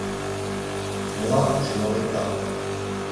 Moi, je n’en ai pas.